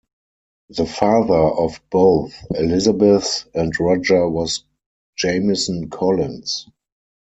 The father of both Elizabeth and Roger was Jamison Collins.